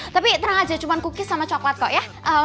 tapi terang aja cuma cookies sama coklat kok ya